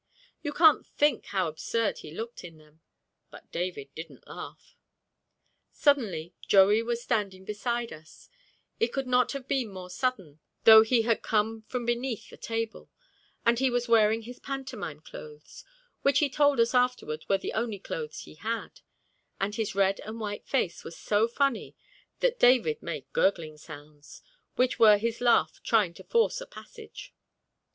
You can't think how absurd he looked in them. But David didn't laugh. Suddenly Joey was standing beside us, it could not have been more sudden though he had come from beneath the table, and he was wearing his pantomime clothes (which he told us afterward were the only clothes he had) and his red and white face was so funny that David made gurgling sounds, which were his laugh trying to force a passage.